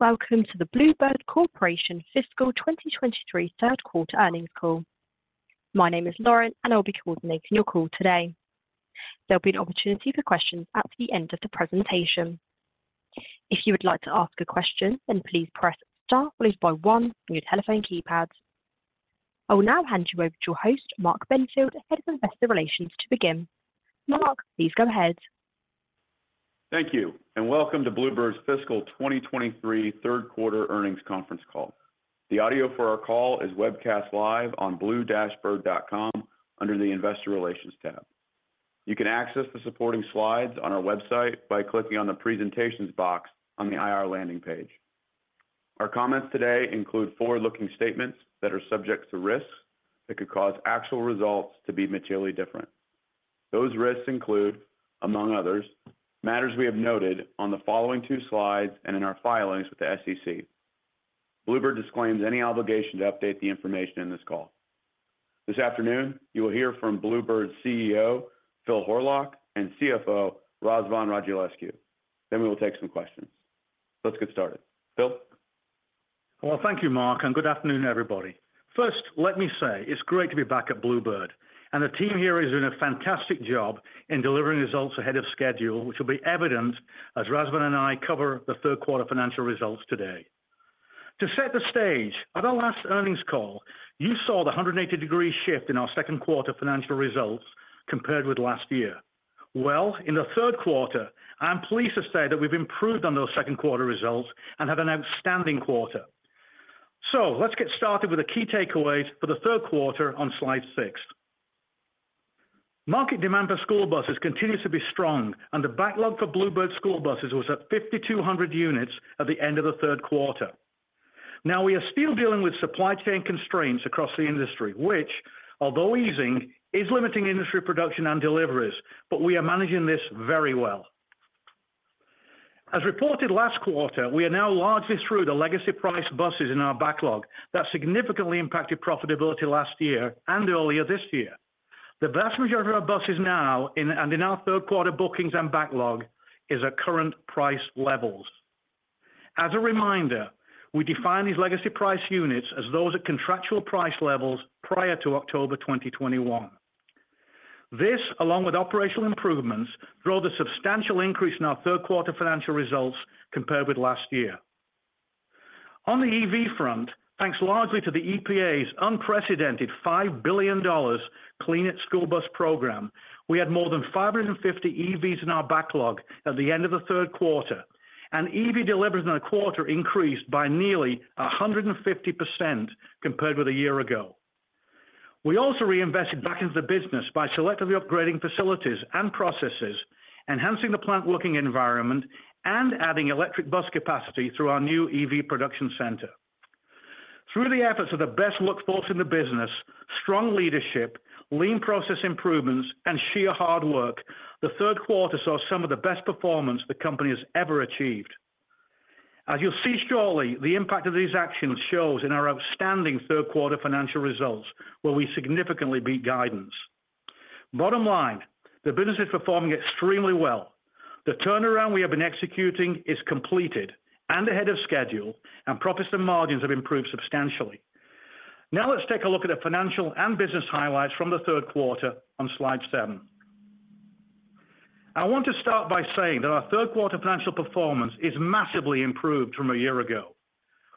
Hello, welcome to the Blue Bird Corporation Fiscal 2023 third quarter earnings call. My name is Lauren, I'll be coordinating your call today. There'll be an opportunity for questions at the end of the presentation. If you would like to ask a question, please press star, followed by one on your telephone keypad. I will now hand you over to your host, Mark Benfield, Head of Investor Relations, to begin. Mark, please go ahead. Thank you, welcome to Blue Bird's Fiscal 2023 third quarter earnings conference call. The audio for our call is webcast live on blue-bird.com under the Investor Relations tab. You can access the supporting slides on our website by clicking on the Presentations box on the IR landing page. Our comments today include forward-looking statements that are subject to risks that could cause actual results to be materially different. Those risks include, among others, matters we have noted on the following two slides and in our filings with the SEC. Blue Bird disclaims any obligation to update the information in this call. This afternoon, you will hear from Blue Bird's CEO, Phil Horlock, and CFO, Razvan Radulescu, we will take some questions. Let's get started. Phil? Well, thank you, Mark, and good afternoon, everybody. First, let me say it's great to be back at Blue Bird, and the team here is doing a fantastic job in delivering results ahead of schedule, which will be evident as Razvan and I cover the third quarter financial results today. To set the stage, at our last earnings call, you saw the 180 degree shift in our second quarter financial results compared with last year. Well, in the third quarter, I'm pleased to say that we've improved on those second quarter results and had an outstanding quarter. Let's get started with the key takeaways for the third quarter on slide six. Market demand for school buses continues to be strong, and the backlog for Blue Bird school buses was at 5,200 units at the end of the third quarter. Now, we are still dealing with supply chain constraints across the industry, which, although easing, is limiting industry production and deliveries, but we are managing this very well. As reported last quarter, we are now largely through the legacy price buses in our backlog that significantly impacted profitability last year and earlier this year. The vast majority of our buses now and in our third quarter bookings and backlog is at current price levels. As a reminder, we define these legacy price units as those at contractual price levels prior to October 2021. This, along with operational improvements, drove a substantial increase in our third quarter financial results compared with last year. On the EV front, thanks largely to the EPA's unprecedented $5 billion Clean School Bus Program, we had more than 550 EVs in our backlog at the end of the third quarter, and EV deliveries in the quarter increased by nearly 150% compared with a year ago. We also reinvested back into the business by selectively upgrading facilities and processes, enhancing the plant working environment, and adding electric bus capacity through our new EV production center. Through the efforts of the best workforce in the business, strong leadership, lean process improvements, and sheer hard work, the third quarter saw some of the best performance the company has ever achieved. As you'll see shortly, the impact of these actions shows in our outstanding third quarter financial results, where we significantly beat guidance. Bottom line, the business is performing extremely well. The turnaround we have been executing is completed and ahead of schedule. Profits and margins have improved substantially. Let's take a look at the financial and business highlights from the third quarter on slide seven. I want to start by saying that our third quarter financial performance is massively improved from a year ago.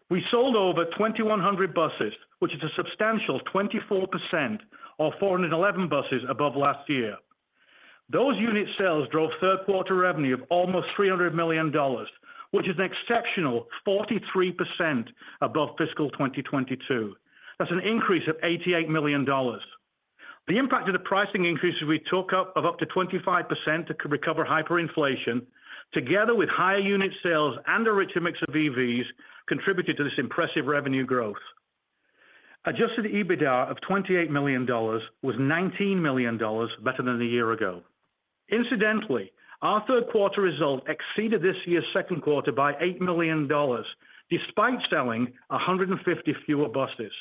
We sold over 2,100 buses, which is a substantial 24% or 411 buses above last year. Those unit sales drove third-quarter revenue of almost $300 million, which is an exceptional 43% above fiscal 2022. That's an increase of $88 million. The impact of the pricing increases we took up of up to 25% to recover hyperinflation, together with higher unit sales and a richer mix of EVs, contributed to this impressive revenue growth. Adjusted EBITDA of $28 million was $19 million better than a year ago. Incidentally, our third quarter result exceeded this year's second quarter by $8 million, despite selling 150 fewer buses.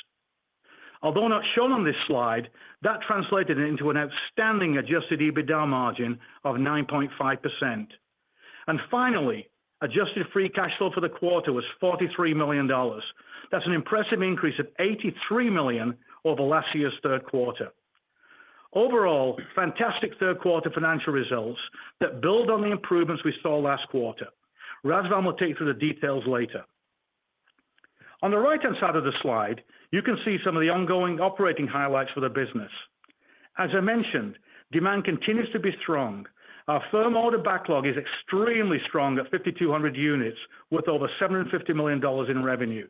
Although not shown on this slide, that translated into an outstanding adjusted EBITDA margin of 9.5%. Finally, adjusted free cash flow for the quarter was $43 million. That's an impressive increase of $83 million over last year's third quarter. Overall, fantastic third quarter financial results that build on the improvements we saw last quarter. Razvan will take you through the details later. On the right-hand side of the slide, you can see some of the ongoing operating highlights for the business. As I mentioned, demand continues to be strong. Our firm order backlog is extremely strong at 5,200 units, with over $750 million in revenue.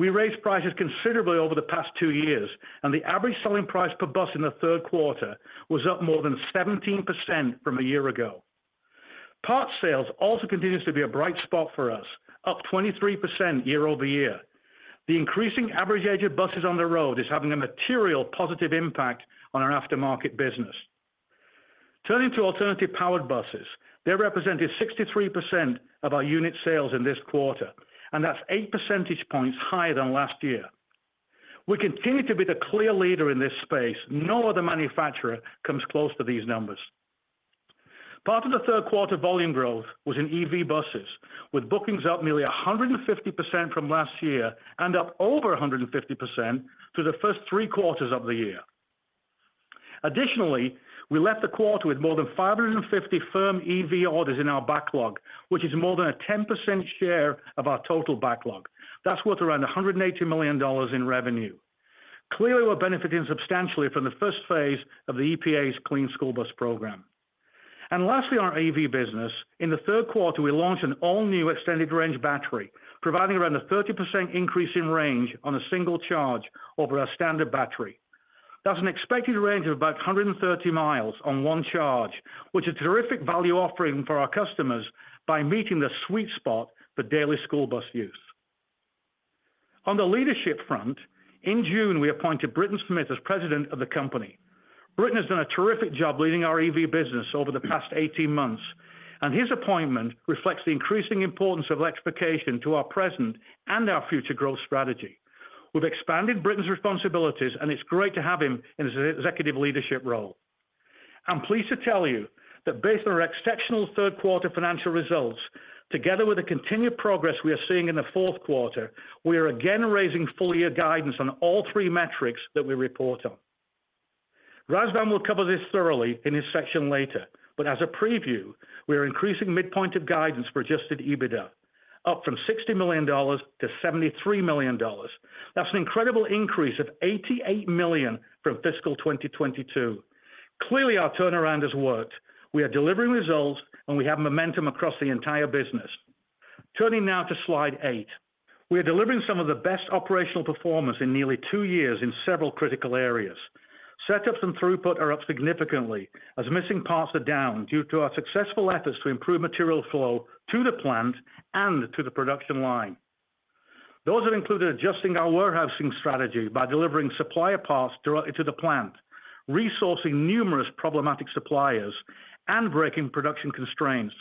We raised prices considerably over the past two years, and the average selling price per bus in the third quarter was up more than 17% from a year ago. Parts sales also continues to be a bright spot for us, up 23% year-over-year. The increasing average age of buses on the road is having a material positive impact on our aftermarket business. Turning to alternative powered buses, they represented 63% of our unit sales in this quarter, and that's 8 percentage points higher than last year. We continue to be the clear leader in this space. No other manufacturer comes close to these numbers. Part of the third quarter volume growth was in EV buses, with bookings up nearly 150% from last year and up over 150% to the first three quarters of the year. Additionally, we left the quarter with more than 550 firm EV orders in our backlog, which is more than a 10% share of our total backlog. That's worth around $180 million in revenue. Clearly, we're benefiting substantially from the first phase of the EPA's Clean School Bus Program. Lastly, our EV business. In the third quarter, we launched an all-new extended range battery, providing around a 30% increase in range on a single charge over our standard battery. That's an expected range of about 130 miles on one charge, which is a terrific value offering for our customers by meeting the sweet spot for daily school bus use. On the leadership front, in June, we appointed Britton Smith as president of the company. Britton has done a terrific job leading our EV business over the past 18 months, and his appointment reflects the increasing importance of electrification to our present and our future growth strategy. We've expanded Britton's responsibilities, and it's great to have him in an executive leadership role. I'm pleased to tell you that based on our exceptional third quarter financial results, together with the continued progress we are seeing in the fourth quarter, we are again raising full year guidance on all three metrics that we report on. Razvan will cover this thoroughly in his section later. As a preview, we are increasing mid point of guidance for adjusted EBITDA, up from $60 million to $73 million. That's an incredible increase of $88 million from fiscal 2022. Clearly, our turnaround has worked. We are delivering results, and we have momentum across the entire business. Turning now to slide eight. We are delivering some of the best operational performance in nearly two years in several critical areas. Setups and throughput are up significantly as missing parts are down due to our successful efforts to improve material flow to the plant and to the production line. Those have included adjusting our warehousing strategy by delivering supplier parts directly to the plant, resourcing numerous problematic suppliers, and breaking production constraints.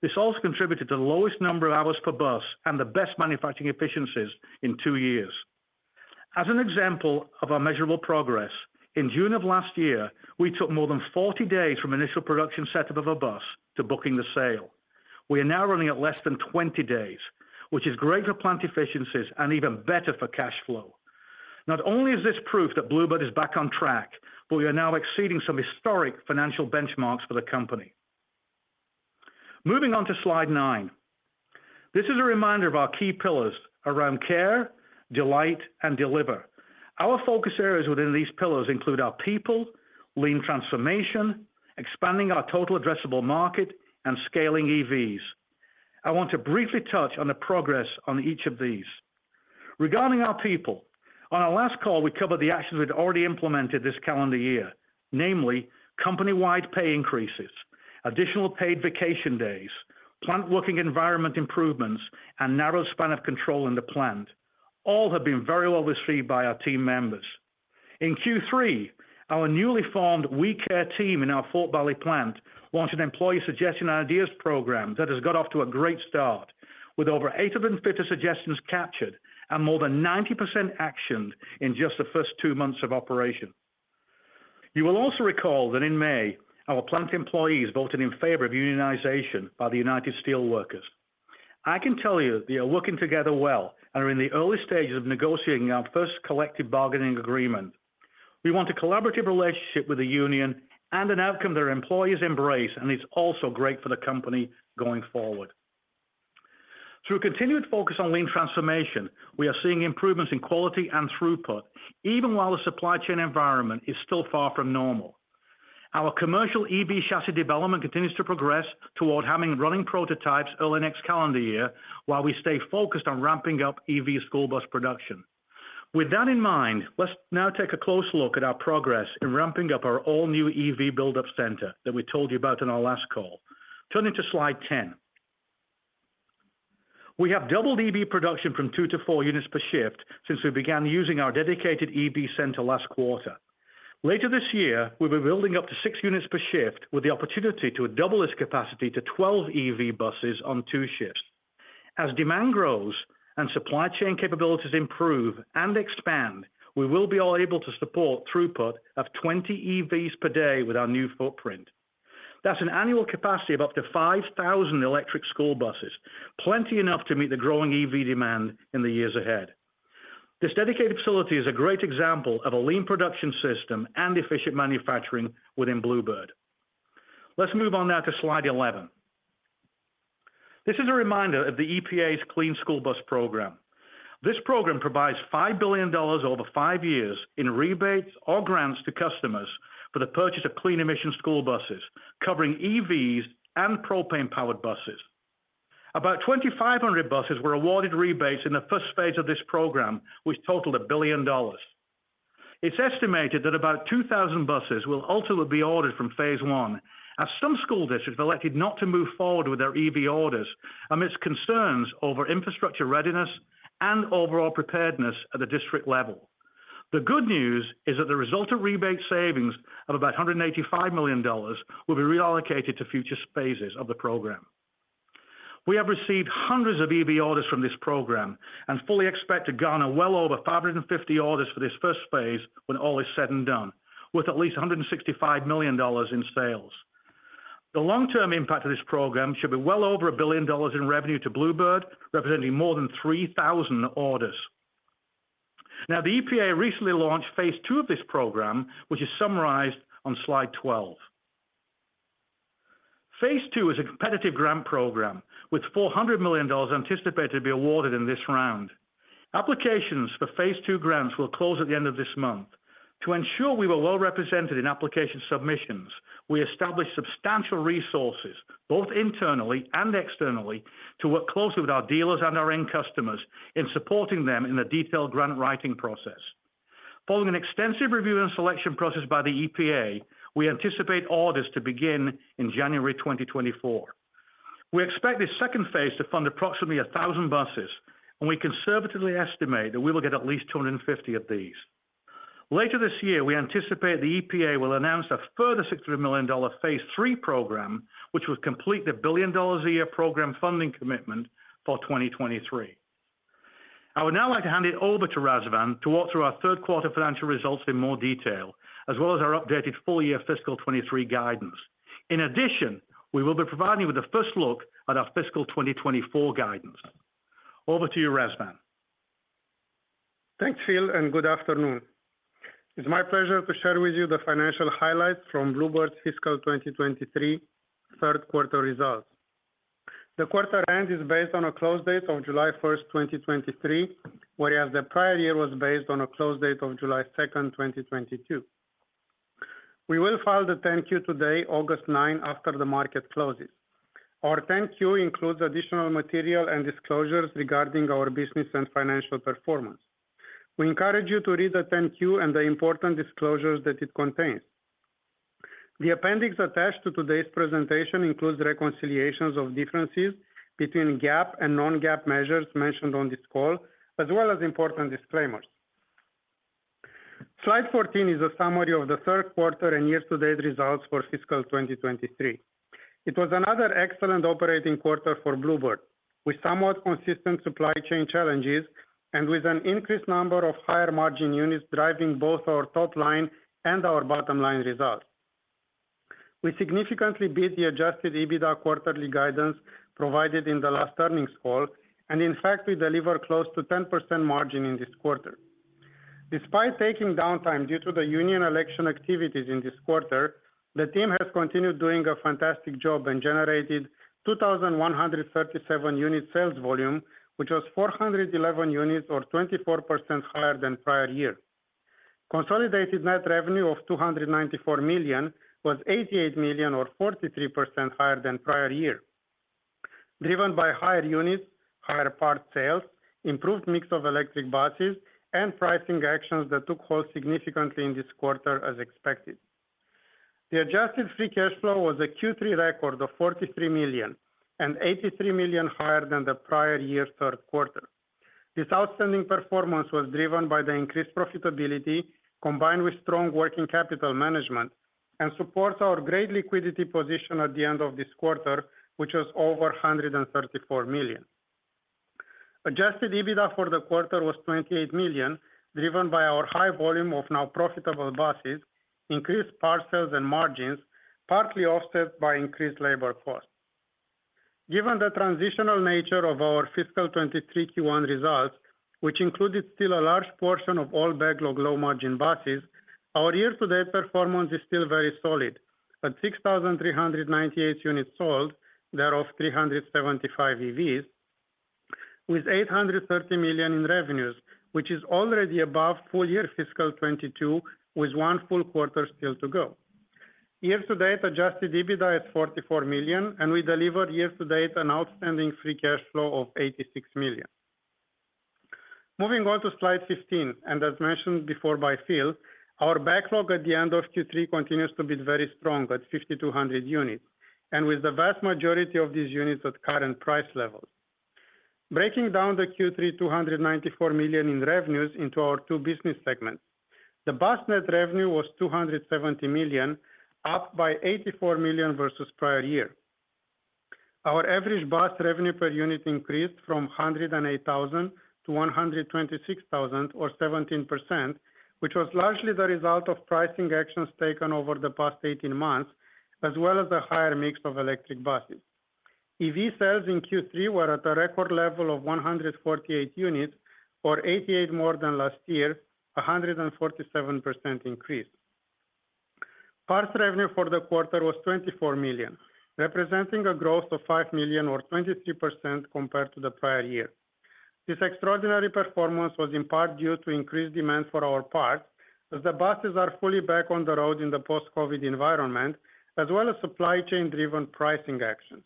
This also contributed to the lowest number of hours per bus and the best manufacturing efficiencies in two years. As an example of our measurable progress, in June of last year, we took more than 40 days from initial production setup of a bus to booking the sale. We are now running at less than 20 days, which is great for plant efficiencies and even better for cash flow. Not only is this proof that Blue Bird is back on track, but we are now exceeding some historic financial benchmarks for the company. Moving on to slide nine. This is a reminder of our key pillars around care, delight, and deliver. Our focus areas within these pillars include our people, Lean Transformation, expanding our total addressable market, and scaling EVs. I want to briefly touch on the progress on each of these. Regarding our people, on our last call, we covered the actions we'd already implemented this calendar year, namely company-wide pay increases, additional paid vacation days, plant working environment improvements, and narrow span of control in the plant. All have been very well received by our team members. In Q3, our newly formed We Care team in our Fort Valley plant launched an employee suggestion and ideas program that has got off to a great start, with over 850 suggestions captured and more than 90% actioned in just the first 2 months of operation. You will also recall that in May, our plant employees voted in favor of unionization by the United Steelworkers. I can tell you they are working together well and are in the early stages of negotiating our first collective bargaining agreement. We want a collaborative relationship with the union and an outcome that our employees embrace, and is also great for the company going forward. Through continued focus on Lean Transformation, we are seeing improvements in quality and throughput, even while the supply chain environment is still far from normal. Our commercial EV chassis development continues to progress toward having running prototypes early next calendar year, while we stay focused on ramping up EV school bus production. With that in mind, let's now take a close look at our progress in ramping up our all-new EV Build-Up Center that we told you about on our last call. Turning to slide 10. We have doubled EV production from 2 to 4 units per shift since we began using our dedicated EV center last quarter. Later this year, we'll be building up to 6 units per shift, with the opportunity to double this capacity to 12 EV buses on two shifts. As demand grows and supply chain capabilities improve and expand, we will be all able to support throughput of 20 EVs per day with our new footprint. That's an annual capacity of up to 5,000 electric school buses, plenty enough to meet the growing EV demand in the years ahead. This dedicated facility is a great example of a lean production system and efficient manufacturing within Blue Bird. Let's move on now to slide 11. This is a reminder of the EPA's Clean School Bus Program. This program provides $5 billion over 5 years in rebates or grants to customers for the purchase of clean emission school buses, covering EVs and propane-powered buses. About 2,500 buses were awarded rebates in the first phase of this program, which totaled $1 billion. It's estimated that about 2,000 buses will ultimately be ordered from phase one, as some school districts have elected not to move forward with their EV orders amidst concerns over infrastructure readiness and overall preparedness at the district level. The good news is that the result of rebate savings of about $185 million will be reallocated to future phases of the program. We have received hundreds of EV orders from this program and fully expect to garner well over 550 orders for this first phase when all is said and done, with at least $165 million in sales. The long-term impact of this program should be well over $1 billion in revenue to Blue Bird, representing more than 3,000 orders. The EPA recently launched phase two of this program, which is summarized on slide 12. Phase two is a competitive grant program with $400 million anticipated to be awarded in this round. Applications for phase two grants will close at the end of this month. To ensure we were well represented in application submissions, we established substantial resources, both internally and externally, to work closely with our dealers and our end customers in supporting them in the detailed grant writing process. Following an extensive review and selection process by the EPA, we anticipate orders to begin in January 2024. We expect this second phase to fund approximately 1,000 buses. We conservatively estimate that we will get at least 250 of these. Later this year, we anticipate the EPA will announce a further $600 million phase three program, which will complete the $1 billion a year program funding commitment for 2023. I would now like to hand it over to Razvan to walk through our third quarter financial results in more detail, as well as our updated full year fiscal 23 guidance. In addition, we will be providing you with a first look at our fiscal 2024 guidance. Over to you, Razvan. Thanks, Phil. Good afternoon. It's my pleasure to share with you the financial highlights from Blue Bird's fiscal 2023 third quarter results. The quarter end is based on a close date of July 1, 2023, whereas the prior year was based on a close date of July 2, 2022. We will file the 10-Q today, August nine, after the market closes. Our 10-Q includes additional material and disclosures regarding our business and financial performance. We encourage you to read the 10-Q and the important disclosures that it contains. The appendix attached to today's presentation includes reconciliations of differences between GAAP and non-GAAP measures mentioned on this call, as well as important disclaimers. Slide 14 is a summary of the third quarter and year-to-date results for fiscal 2023. It was another excellent operating quarter for Blue Bird, with somewhat consistent supply chain challenges and with an increased number of higher margin units driving both our top line and our bottom line results. We significantly beat the adjusted EBITDA quarterly guidance provided in the last earnings call, in fact, we delivered close to 10% margin in this quarter. Despite taking downtime due to the union election activities in this quarter, the team has continued doing a fantastic job and generated 2,137 unit sales volume, which was 411 units, or 24% higher than prior year. Consolidated net revenue of $294 million was $88 million, or 43% higher than prior year. Driven by higher units, higher part sales, improved mix of electric buses, and pricing actions that took hold significantly in this quarter as expected. The adjusted free cash flow was a Q3 record of $43 million and $83 million higher than the prior year's third quarter. This outstanding performance was driven by the increased profitability, combined with strong working capital management, Supports our great liquidity position at the end of this quarter, which was over $134 million. Adjusted EBITDA for the quarter was $28 million, driven by our high volume of now profitable buses, increased part sales and margins, partly offset by increased labor costs. Given the transitional nature of our fiscal 2023 Q1 results, which included still a large portion of all backlog, low-margin buses, our year-to-date performance is still very solid. At 6,398 units sold, thereof, 375 EVs, with $830 million in revenues, which is already above full year fiscal 2022, with one full quarter still to go. Year to date, adjusted EBITDA is $44 million, and we delivered year to date an outstanding free cash flow of $86 million. Moving on to slide 15, as mentioned before by Phil, our backlog at the end of Q3 continues to be very strong at 5,200 units, and with the vast majority of these units at current price levels. Breaking down the Q3, $294 million in revenues into our two business segments. The bus net revenue was $270 million, up by $84 million versus prior year. Our average bus revenue per unit increased from $108,000 to $126,000 or 17%, which was largely the result of pricing actions taken over the past 18 months, as well as the higher mix of electric buses. EV sales in Q3 were at a record level of 148 units, or 88 more than last year, a 147% increase. Parts revenue for the quarter was $24 million, representing a growth of $5 million or 23% compared to the prior year. This extraordinary performance was in part due to increased demand for our parts, as the buses are fully back on the road in the post-COVID environment, as well as supply chain-driven pricing actions.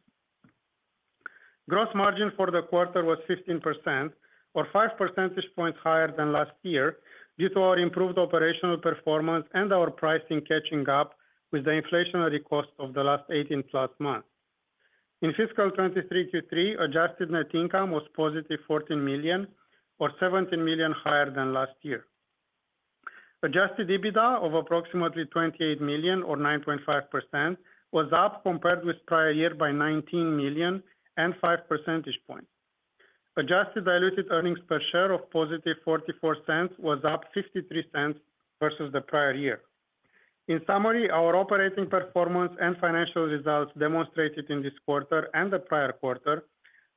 Gross margin for the quarter was 15% or 5 percentage points higher than last year, due to our improved operational performance and our pricing catching up with the inflationary cost of the last 18-plus months. In fiscal 23 Q3, adjusted net income was +$14 million or $17 million higher than last year. Adjusted EBITDA of approximately $28 million or 9.5%, was up compared with prior year by $19 million and 5 percentage points. Adjusted diluted earnings per share of +$0.44 was up $0.53 versus the prior year. In summary, our operating performance and financial results demonstrated in this quarter and the prior quarter,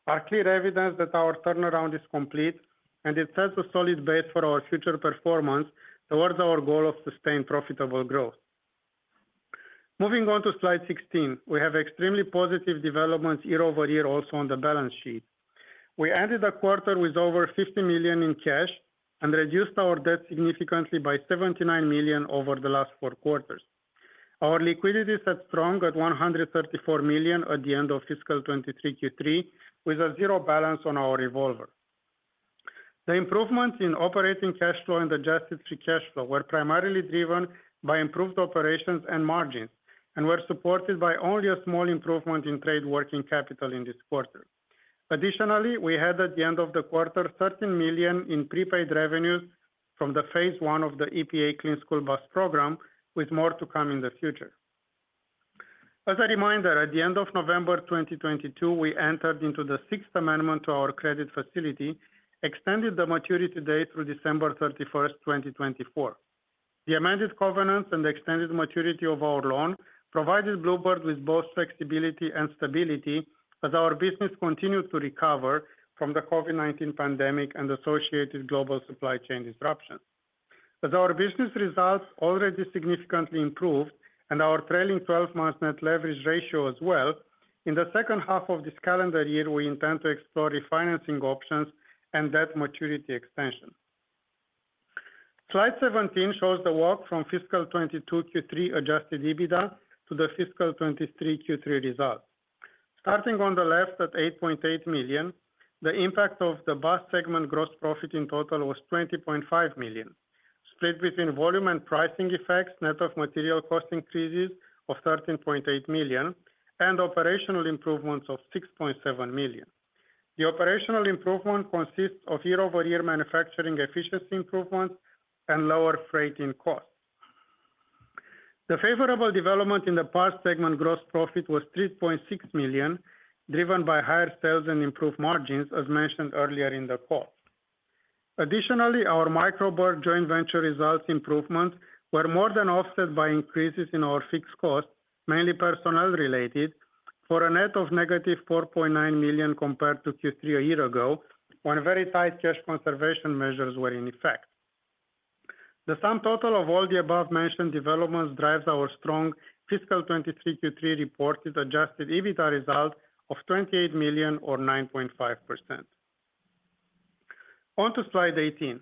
are clear evidence that our turnaround is complete and it sets a solid base for our future performance towards our goal of sustained profitable growth. Moving on to slide 16, we have extremely positive developments year-over-year also on the balance sheet. We ended the quarter with over $50 million in cash and reduced our debt significantly by $79 million over the last four quarters. Our liquidity sat strong at $134 million at the end of fiscal 2023 Q3, with a 0 balance on our revolver. The improvements in operating cash flow and adjusted free cash flow were primarily driven by improved operations and margins, and were supported by only a small improvement in trade working capital in this quarter. Additionally, we had, at the end of the quarter, $13 million in prepaid revenues from the phase 1 of the EPA Clean School Bus Program, with more to come in the future. As a reminder, at the end of November 2022, we entered into the Sixth Amendment to our credit facility, extended the maturity date through December 31st, 2024. The amended covenants and the extended maturity of our loan provided Blue Bird with both flexibility and stability as our business continued to recover from the COVID-19 pandemic and associated global supply chain disruptions. As our business results already significantly improved and our trailing twelve-month net leverage ratio as well, in the second half of this calendar year, we intend to explore refinancing options and debt maturity extension. Slide 17 shows the work from fiscal 2022 Q3 adjusted EBITDA to the fiscal 2023 Q3 results. Starting on the left at $8.8 million, the impact of the bus segment gross profit in total was $20.5 million, split between volume and pricing effects, net of material cost increases of $13.8 million, and operational improvements of $6.7 million. The operational improvement consists of year-over-year manufacturing efficiency improvements and lower freight in costs. The favorable development in the parts segment gross profit was $3.6 million, driven by higher sales and improved margins, as mentioned earlier in the call. Additionally, our Micro Bird joint venture results improvements were more than offset by increases in our fixed costs, mainly personnel-related, for a net of negative $4.9 million compared to Q3 a year ago, when very tight cash conservation measures were in effect. The sum total of all the above-mentioned developments drives our strong fiscal 2023 Q3 reported adjusted EBITDA result of $28 million or 9.5%. On to slide 18.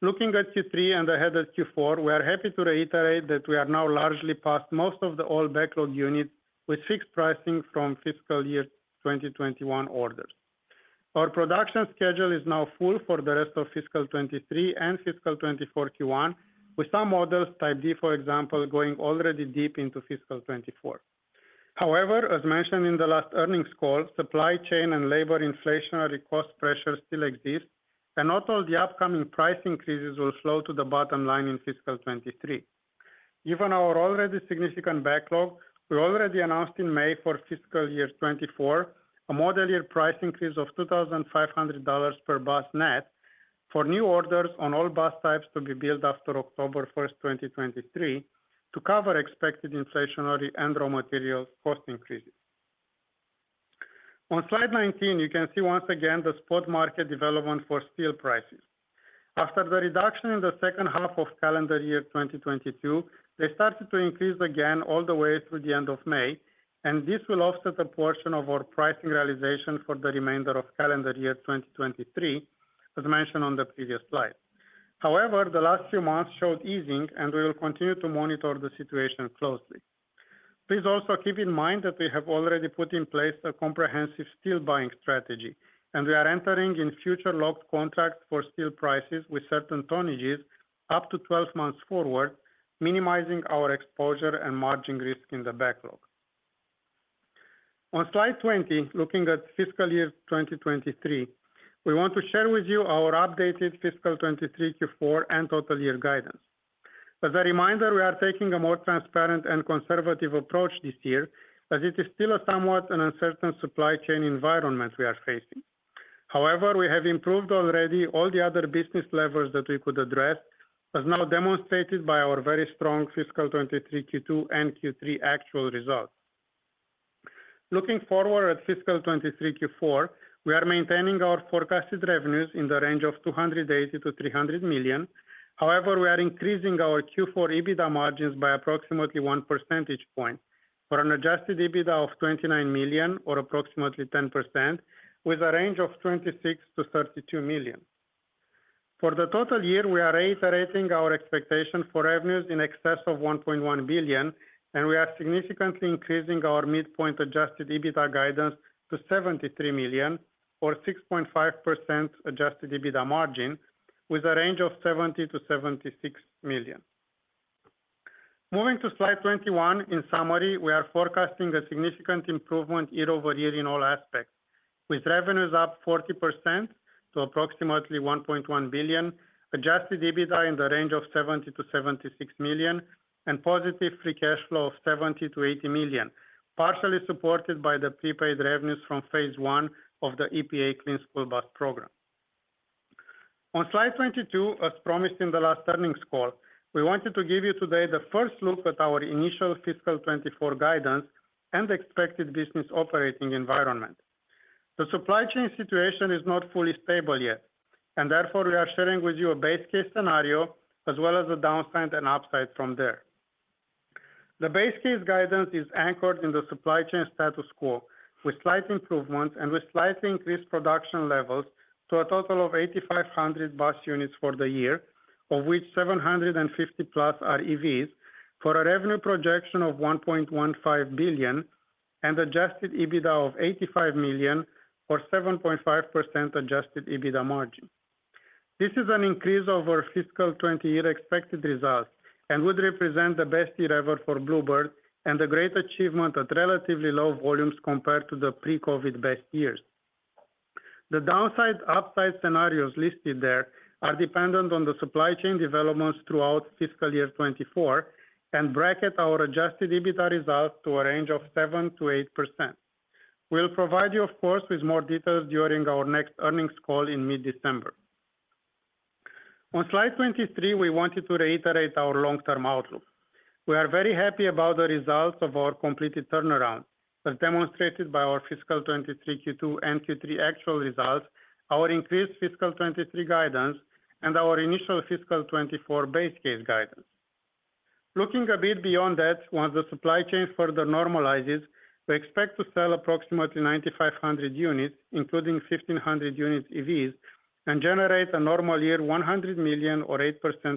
Looking at Q3 and ahead at Q4, we are happy to reiterate that we are now largely past most of the old backlog units with fixed pricing from fiscal year 2021 orders. Our production schedule is now full for the rest of fiscal 2023 and fiscal 2024 Q1, with some models, Type D, for example, going already deep into fiscal 2024. As mentioned in the last earnings call, supply chain and labor inflationary cost pressures still exist, and not all the upcoming price increases will flow to the bottom line in fiscal 2023. Given our already significant backlog, we already announced in May for fiscal year 2024, a model year price increase of $2,500 per bus net, for new orders on all bus types to be built after October 1, 2023, to cover expected inflationary and raw materials cost increases. On slide 19, you can see once again the spot market development for steel prices. After the reduction in the second half of calendar year 2022, they started to increase again all the way through the end of May, and this will offset a portion of our pricing realization for the remainder of calendar year 2023, as mentioned on the previous slide. However, the last few months showed easing, and we will continue to monitor the situation closely. Please also keep in mind that we have already put in place a comprehensive steel buying strategy, and we are entering in future locked contracts for steel prices with certain tonnages up to 12 months forward, minimizing our exposure and margin risk in the backlog. On slide 20, looking at fiscal year 2023, we want to share with you our updated fiscal 2023 Q4 and total year guidance. As a reminder, we are taking a more transparent and conservative approach this year, as it is still a somewhat an uncertain supply chain environment we are facing. However, we have improved already all the other business levers that we could address, as now demonstrated by our very strong fiscal 2023 Q2 and Q3 actual results. Looking forward at fiscal 2023 Q4, we are maintaining our forecasted revenues in the range of $280 million-$300 million. However, we are increasing our Q4 EBITDA margins by approximately one percentage point for an adjusted EBITDA of $29 million or approximately 10%, with a range of $26 million-$32 million. For the total year, we are reiterating our expectation for revenues in excess of $1.1 billion, we are significantly increasing our midpoint adjusted EBITDA guidance to $73 million or 6.5% adjusted EBITDA margin, with a range of $70 million-$76 million. Moving to slide 21, in summary, we are forecasting a significant improvement year-over-year in all aspects, with revenues up 40% to approximately $1.1 billion, adjusted EBITDA in the range of $70 million-$76 million, and positive free cash flow of $70 million-$80 million, partially supported by the prepaid revenues from phase one of the EPA Clean School Bus Program. On slide 22, as promised in the last earnings call, we wanted to give you today the first look at our initial fiscal 2024 guidance and expected business operating environment. The supply chain situation is not fully stable yet. Therefore, we are sharing with you a base case scenario as well as the downside and upside from there. The base case guidance is anchored in the supply chain status quo, with slight improvements and with slight increased production levels to a total of 8,500 bus units for the year, of which 750+ are EVs, for a revenue projection of $1.15 billion and adjusted EBITDA of $85 million or 7.5% adjusted EBITDA margin. This is an increase over fiscal 2020 expected results and would represent the best year ever for Blue Bird, and a great achievement at relatively low volumes compared to the pre-COVID best years. The downside/upside scenarios listed there are dependent on the supply chain developments throughout fiscal year 2024 and bracket our adjusted EBITDA results to a range of 7%-8%. We'll provide you, of course, with more details during our next earnings call in mid-December. On slide 23, we wanted to reiterate our long-term outlook. We are very happy about the results of our completed turnaround, as demonstrated by our fiscal 2023 Q2 and Q3 actual results, our increased fiscal 2023 guidance, and our initial fiscal 2024 base case guidance. Looking a bit beyond that, once the supply chain further normalizes, we expect to sell approximately 9,500 units, including 1,500 units EVs, and generate a normal year, $100 million or 8%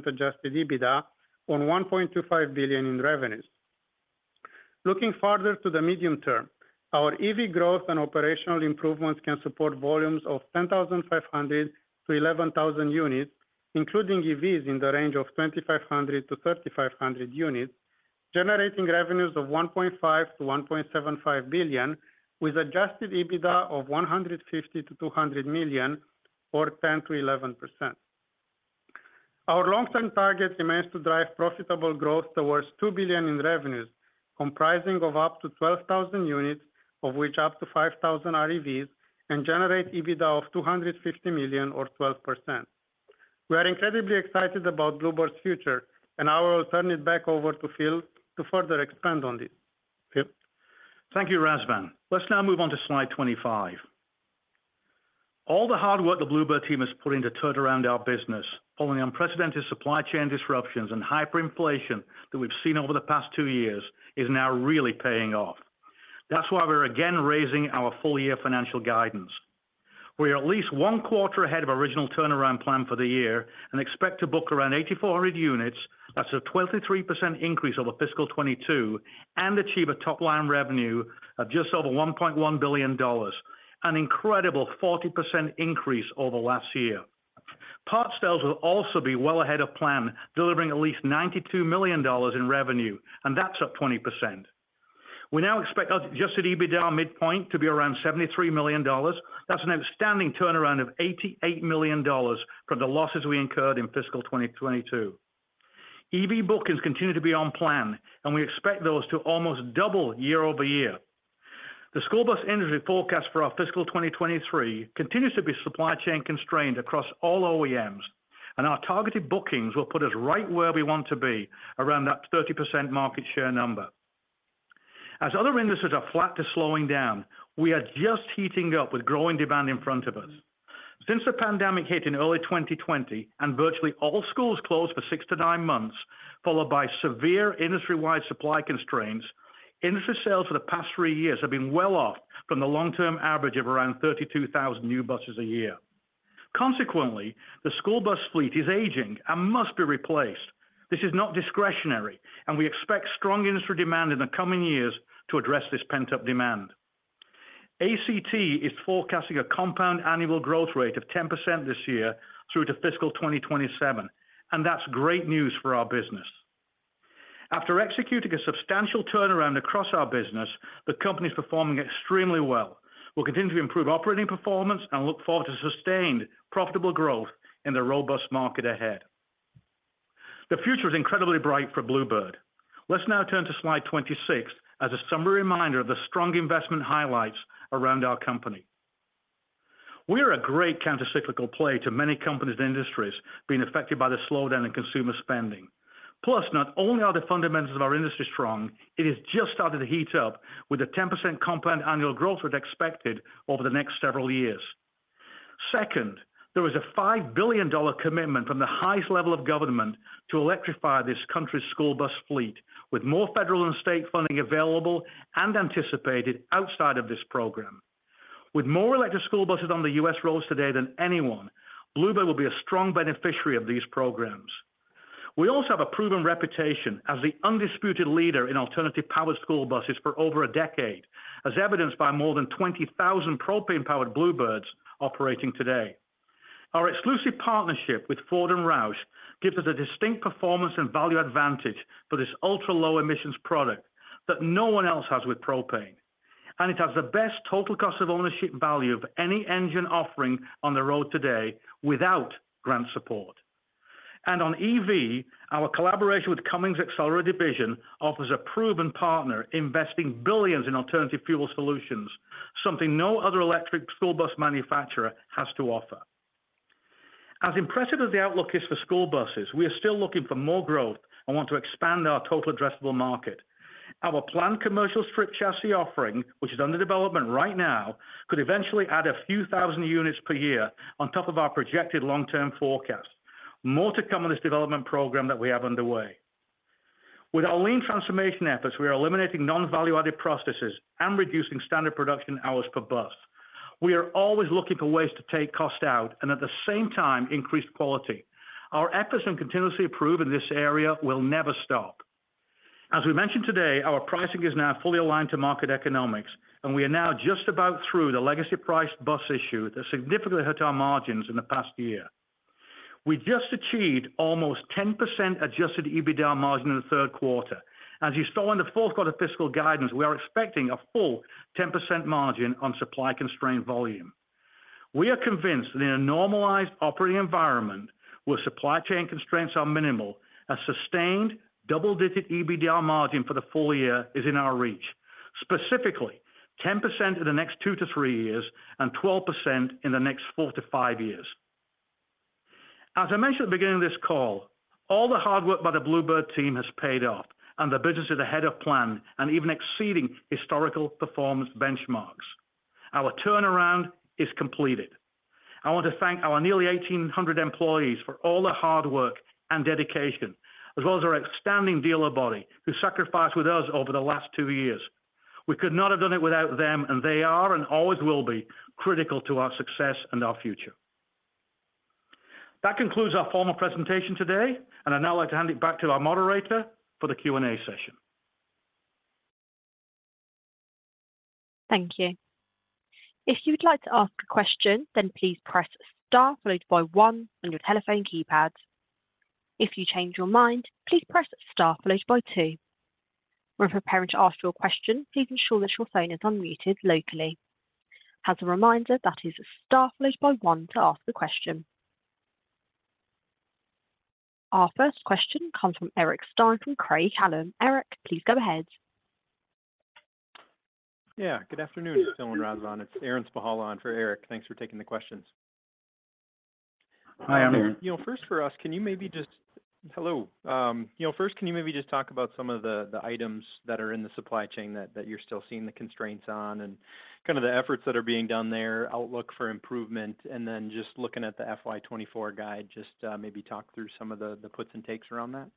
adjusted EBITDA on $1.25 billion in revenues. Looking farther to the medium term, our EV growth and operational improvements can support volumes of 10,500-11,000 units, including EVs in the range of 2,500-3,500 units, generating revenues of $1.5 billion-$1.75 billion, with adjusted EBITDA of $150 million-$200 million or 10%-11%. Our long-term target remains to drive profitable growth towards $2 billion in revenues, comprising of up to 12,000 units, of which up to 5,000 are EVs, and generate EBITDA of $250 million or 12%. We are incredibly excited about Blue Bird's future. I will turn it back over to Phil to further expand on this. Thank you, Razvan. Let's now move on to slide 25. All the hard work the Blue Bird team has put in to turn around our business, following the unprecedented supply chain disruptions and hyperinflation that we've seen over the past two years, is now really paying off. That's why we're again raising our full-year financial guidance. We are at least one quarter ahead of original turnaround plan for the year and expect to book around 8,400 units. That's a 23% increase over fiscal 2022, and achieve a top-line revenue of just over $1.1 billion, an incredible 40% increase over last year. Parts sales will also be well ahead of plan, delivering at least $92 million in revenue, and that's up 20%. We now expect adjusted EBITDA midpoint to be around $73 million. That's an outstanding turnaround of $88 million from the losses we incurred in fiscal 2022. EV bookings continue to be on plan, and we expect those to almost double year-over-year. The school bus industry forecast for our fiscal 2023 continues to be supply chain constrained across all OEMs, and our targeted bookings will put us right where we want to be, around that 30% market share number. As other industries are flat to slowing down, we are just heating up with growing demand in front of us. Since the pandemic hit in early 2020 and virtually all schools closed for 6-9 months, followed by severe industry-wide supply constraints, industry sales for the past 3 years have been well off from the long-term average of around 32,000 new buses a year. Consequently, the school bus fleet is aging and must be replaced. This is not discretionary, and we expect strong industry demand in the coming years to address this pent-up demand. ACT is forecasting a compound annual growth rate of 10% this year through to fiscal 2027, and that's great news for our business. After executing a substantial turnaround across our business, the company is performing extremely well. We'll continue to improve operating performance and look forward to sustained, profitable growth in the robust market ahead. The future is incredibly bright for Blue Bird. Let's now turn to slide 26 as a summary reminder of the strong investment highlights around our company. We are a great countercyclical play to many companies and industries being affected by the slowdown in consumer spending. Not only are the fundamentals of our industry strong, it has just started to heat up with a 10% compound annual growth rate expected over the next several years. Second, there is a $5 billion commitment from the highest level of government to electrify this country's school bus fleet, with more federal and state funding available and anticipated outside of this program. With more electric school buses on the U.S. roads today than anyone, Blue Bird will be a strong beneficiary of these programs. We also have a proven reputation as the undisputed leader in alternative-powered school buses for over a decade, as evidenced by more than 20,000 propane-powered Blue Birds operating today. Our exclusive partnership with Ford and ROUSH gives us a distinct performance and value advantage for this ultra-low emissions product that no one else has with propane. It has the best total cost of ownership value of any engine offering on the road today without grant support. On EV, our collaboration with Accelera by Cummins offers a proven partner investing billions in alternative fuel solutions, something no other electric school bus manufacturer has to offer. As impressive as the outlook is for school buses, we are still looking for more growth and want to expand our total addressable market. Our planned commercial strip chassis offering, which is under development right now, could eventually add a few thousand units per year on top of our projected long-term forecast. More to come on this development program that we have underway. With our Lean Transformation efforts, we are eliminating non-value-added processes and reducing standard production hours per bus. We are always looking for ways to take costs out and at the same time, increase quality. Our efforts and continuously improve in this area will never stop. As we mentioned today, our pricing is now fully aligned to market economics, and we are now just about through the legacy price bus issue that significantly hurt our margins in the past year. We just achieved almost 10% adjusted EBITDA margin in the third quarter. As you saw in the fourth quarter fiscal guidance, we are expecting a full 10% margin on supply-constrained volume. We are convinced that in a normalized operating environment where supply chain constraints are minimal, a sustained double-digit EBITDA margin for the full year is in our reach. Specifically, 10% in the next 2-3 years and 12% in the next 4-5 years. As I mentioned at the beginning of this call, all the hard work by the Blue Bird team has paid off, and the business is ahead of plan and even exceeding historical performance benchmarks. Our turnaround is completed. I want to thank our nearly 1,800 employees for all their hard work and dedication, as well as our outstanding dealer body, who sacrificed with us over the last two years. We could not have done it without them. They are, and always will be, critical to our success and our future. That concludes our formal presentation today, and I'd now like to hand it back to our moderator for the Q&A session. Thank you. If you'd like to ask a question, then please press star followed by one on your telephone keypad. If you change your mind, please press star followed by two. When preparing to ask your question, please ensure that your phone is unmuted locally. As a reminder, that is star followed by one to ask a question. Our first question comes from Eric Stine from Craig-Hallum. Eric, please go ahead. Yeah, good afternoon, Phil and Razvan. It's Aaron Spychalla on for Eric. Thanks for taking the questions. Hi, Aaron. You know, first for us, can you maybe Hello. You know, first, can you maybe just talk about some of the, the items that are in the supply chain that, that you're still seeing the constraints on, and kind of the efforts that are being done there, outlook for improvement, and then just looking at the FY 2024 guide, just maybe talk through some of the, the puts and takes around that?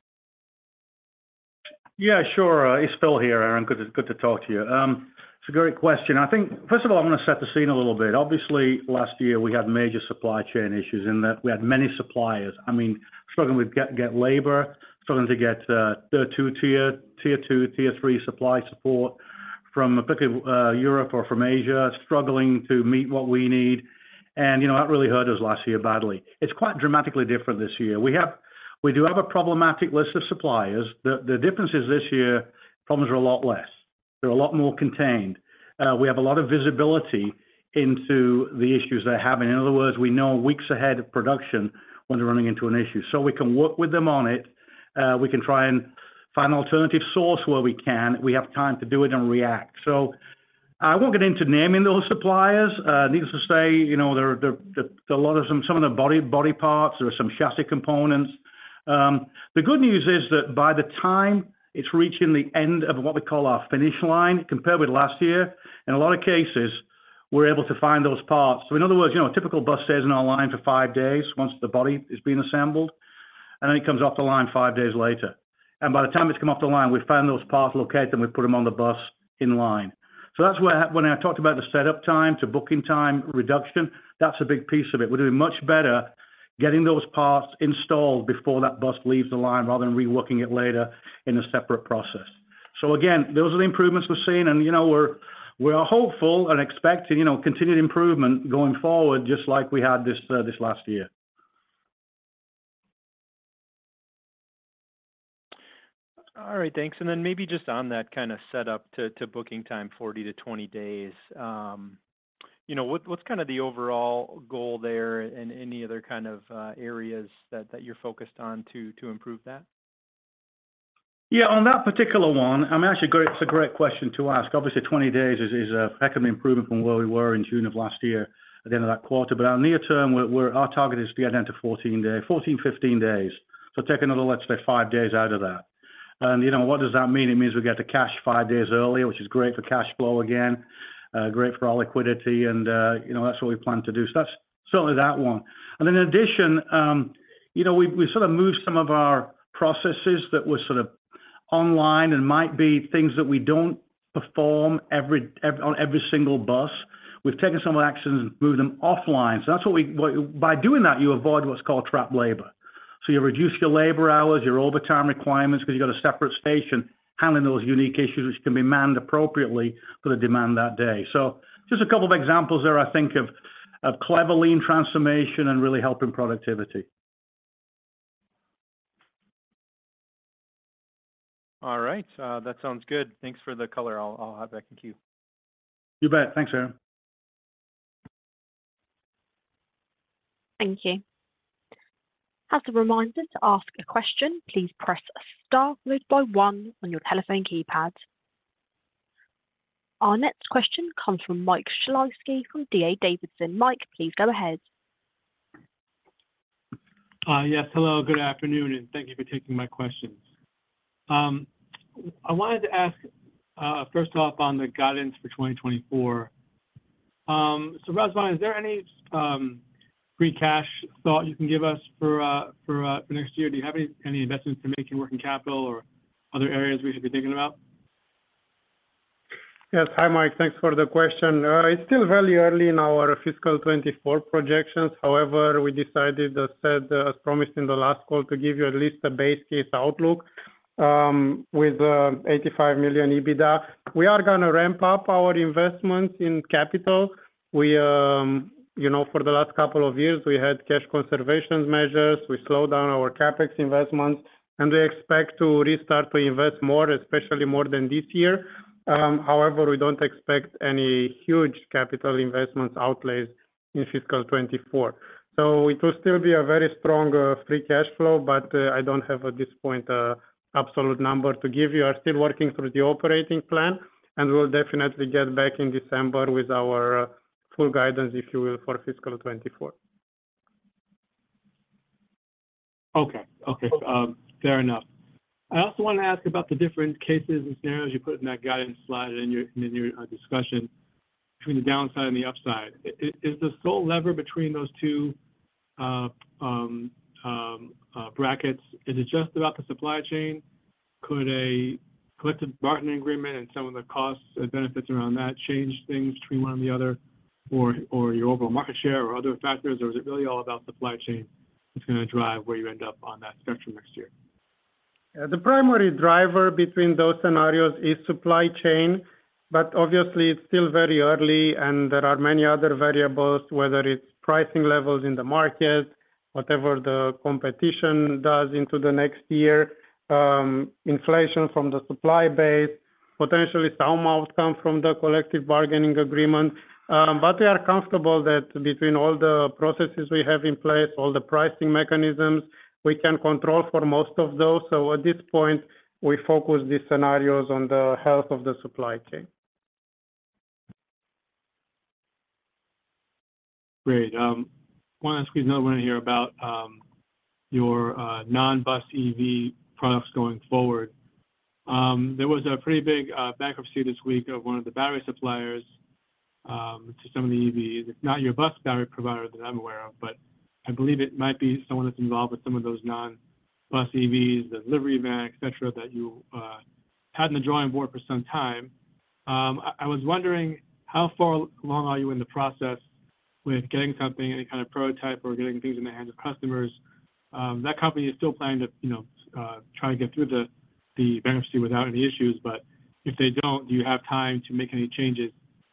Yeah, sure. It's Phil here, Aaron. Good to, good to talk to you. It's a great question. I think, first of all, I'm going to set the scene a little bit. Obviously, last year, we had major supply chain issues in that we had many suppliers, I mean, struggling to get, get labor, struggling to get tier two, tier two, tier three supply support from a bit of Europe or from Asia, struggling to meet what we need. You know, that really hurt us last year badly. It's quite dramatically different this year. We have-- We do have a problematic list of suppliers. The, the difference is this year, problems are a lot less. They're a lot more contained. We have a lot of visibility into the issues they're having. In other words, we know weeks ahead of production when they're running into an issue. We can work with them on it, we can try and find an alternative source where we can. We have time to do it and react. I won't get into naming those suppliers. Needless to say, you know, there are a lot of them, some of the body, body parts, there are some chassis components. The good news is that by the time it's reaching the end of what we call our finish line, compared with last year, in a lot of cases, we're able to find those parts. In other words, you know, a typical bus stays in our line for 5 days once the body is being assembled, and then it comes off the line 5 days later. By the time it's come off the line, we find those parts, locate them, we put them on the bus in line. That's where when I talked about the set-up time to booking time reduction, that's a big piece of it. We're doing much better getting those parts installed before that bus leaves the line rather than reworking it later in a separate process. Again, those are the improvements we're seeing, and, you know, we're, we're hopeful and expecting continued improvement going forward, just like we had this last year. All right, thanks. Then maybe just on that kind of set up to, to booking time, 40 to 20 days, you know, what, what's kind of the overall goal there, and any other kind of areas that, that you're focused on to, to improve that? Yeah, on that particular one, I mean, actually, it's a great question to ask. Obviously, 20 days is, is a heck of an improvement from where we were in June of last year at the end of that quarter. Our near term, we're-- our target is to get down to 14 day, 14, 15 days. Take another, let's say, 5 days out of that. You know, what does that mean? It means we get the cash 5 days earlier, which is great for cash flow, again, great for our liquidity, and, you know, that's what we plan to do. That's certainly that one. In addition, you know, we, we sort of moved some of our processes that were sort of online and might be things that we don't perform every-- on every single bus. We've taken some actions and moved them offline. That's by doing that, you avoid what's called trapped labor. You reduce your labor hours, your overtime requirements, because you've got a separate station handling those unique issues, which can be manned appropriately for the demand that day. Just a couple of examples there, I think, of clever Lean Transformation and really helping productivity. All right, that sounds good. Thanks for the color. I'll, I'll hop back in queue. You bet. Thanks, Aaron. Thank you. As a reminder to ask a question, please press star followed by one on your telephone keypad. Our next question comes from Michael Shlisky from D.A. Davidson. Mike, please go ahead. Yes, hello, good afternoon, and thank you for taking my questions. I wanted to ask, first off, on the guidance for 2024. Razvan, is there any free cash thought you can give us for next year? Do you have any, any investments to make in working capital or other areas we should be thinking about? Yes. Hi, Mike, thanks for the question. It's still very early in our fiscal 2024 projections. However, we decided, as said, as promised in the last call, to give you at least a base case outlook, with $85 million EBITDA. We are gonna ramp up our investments in capital. We, you know, for the last couple of years, we had cash conservation measures. We slowed down our CapEx investments, and we expect to restart to invest more, especially more than this year. However, we don't expect any huge capital investments outlays in fiscal 2024. It will still be a very strong, free cash flow, but I don't have, at this point, a absolute number to give you. We are still working through the operating plan, we will definitely get back in December with our full guidance, if you will, for fiscal 2024. Okay. Okay, fair enough. I also wanted to ask about the different cases and scenarios you put in that guidance slide in your, in your discussion between the downside and the upside. Is the sole lever between those two brackets, is it just about the supply chain? Could a collective bargaining agreement and some of the costs and benefits around that change things between one and the other, or, or your overall market share or other factors? Or is it really all about supply chain that's gonna drive where you end up on that spectrum next year? The primary driver between those scenarios is supply chain, but obviously, it's still very early, and there are many other variables, whether it's pricing levels in the market, whatever the competition does into the next year, inflation from the supply base, potentially some outcome from the collective bargaining agreement. We are comfortable that between all the processes we have in place, all the pricing mechanisms, we can control for most of those. At this point, we focus these scenarios on the health of the supply chain. Great, I want to squeeze another one in here about your non-bus EV products going forward. There was a pretty big bankruptcy this week of one of the battery suppliers to some of the EVs. It's not your bus battery provider that I'm aware of, but I believe it might be someone that's involved with some of those non-bus EVs, the delivery van, et cetera, that you had in the drawing board for some time. I, I was wondering, how far along are you in the process with getting something, any kind of prototype or getting things in the hands of customers? That company is still planning to, you know, try and get through the, the bankruptcy without any issues, but if they don't, do you have time to make any changes,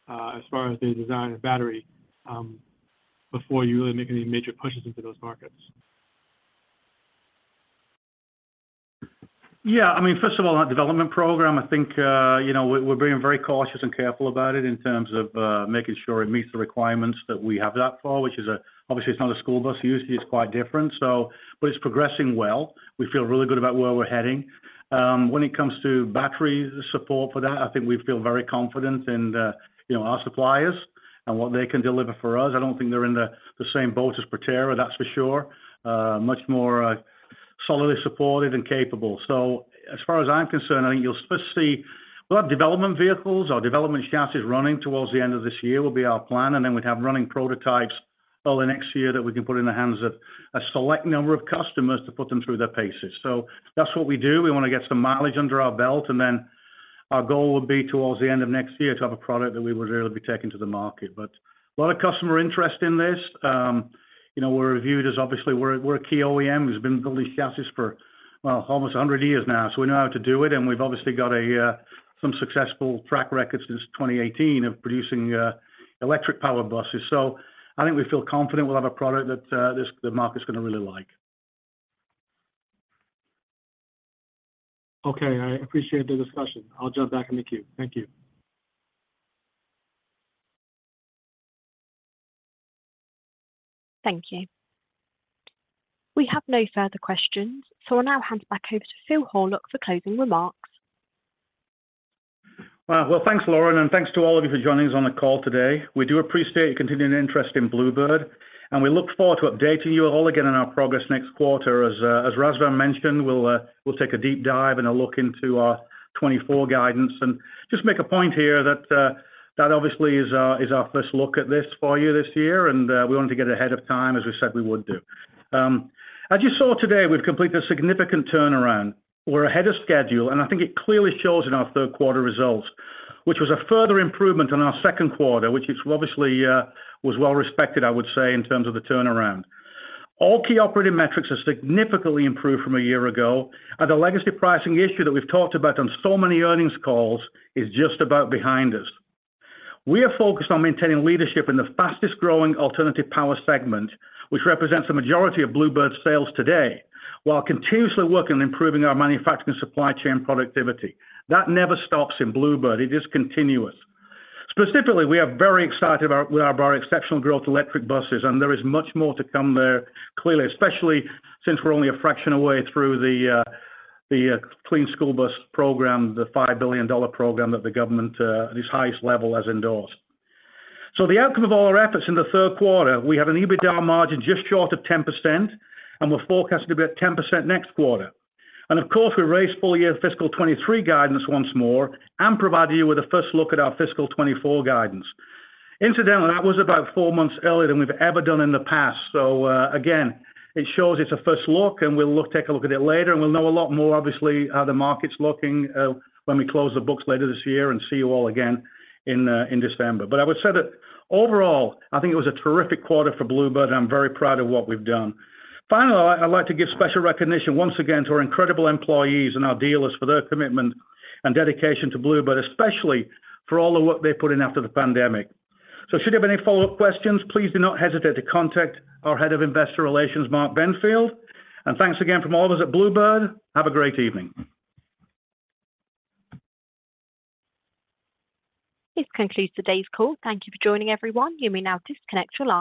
as far as the design of the battery, before you really make any major pushes into those markets? Yeah, I mean, first of all, our development program, I think, you know, we're, we're being very cautious and careful about it in terms of making sure it meets the requirements that we have that for, which is, obviously, it's not a school bus use case, it's quite different. But it's progressing well. We feel really good about where we're heading. When it comes to battery support for that, I think we feel very confident in, you know, our suppliers and what they can deliver for us. I don't think they're in the, the same boat as Proterra, that's for sure. Much more, solidly supported and capable. As far as I'm concerned, I think you'll first see. We'll have development vehicles or development chassis running towards the end of this year, will be our plan, and then we'd have running prototypes early next year that we can put in the hands of a select number of customers to put them through their paces. That's what we do. We want to get some mileage under our belt, and then our goal would be towards the end of next year to have a product that we would really be taking to the market. A lot of customer interest in this. You know, we're viewed as, obviously, we're, we're a key OEM who's been building chassis for, well, almost 100 years now, so we know how to do it, and we've obviously got a, some successful track record since 2018 of producing electric power buses. I think we feel confident we'll have a product that, this, the market's gonna really like. Okay, I appreciate the discussion. I'll jump back in the queue. Thank you. Thank you. We have no further questions. I'll now hand it back over to Phil Horlock for closing remarks. Well, well, thanks, Lauren, and thanks to all of you for joining us on the call today. We do appreciate your continued interest in Blue Bird, and we look forward to updating you all again on our progress next quarter. As Razvan mentioned, we'll take a deep dive and a look into our 2024 guidance. Just make a point here that obviously is our, is our first look at this for you this year, and we wanted to get it ahead of time, as we said we would do. As you saw today, we've completed a significant turnaround. We're ahead of schedule, and I think it clearly shows in our third quarter results, which was a further improvement on our second quarter, which is obviously, was well respected, I would say, in terms of the turnaround. All key operating metrics are significantly improved from a year ago, and the legacy pricing issue that we've talked about on so many earnings calls is just about behind us. We are focused on maintaining leadership in the fastest-growing alternative power segment, which represents the majority of Blue Bird sales today, while continuously working on improving our manufacturing supply chain productivity. That never stops in Blue Bird, it is continuous. Specifically, we are very excited about, with our exceptional growth electric buses, and there is much more to come there, clearly, especially since we're only a fraction away through the, the Clean School Bus program, the $5 billion program that the government, at its highest level, has endorsed. The outcome of all our efforts in the third quarter, we have an EBITDA margin just short of 10%, and we're forecasting to be at 10% next quarter. Of course, we raised full-year fiscal 2023 guidance once more and provided you with a first look at our fiscal 2024 guidance. Incidentally, that was about four months earlier than we've ever done in the past. Again, it shows it's a first look, and we'll take a look at it later, and we'll know a lot more, obviously, how the market's looking, when we close the books later this year and see you all again in December. I would say that overall, I think it was a terrific quarter for Blue Bird, and I'm very proud of what we've done. Finally, I'd like to give special recognition once again to our incredible employees and our dealers for their commitment and dedication to Blue Bird, especially for all the work they put in after the pandemic. Should you have any follow-up questions, please do not hesitate to contact our Head of Investor Relations, Mark Benfield. Thanks again from all of us at Blue Bird. Have a great evening. This concludes today's call. Thank you for joining, everyone. You may now disconnect your line.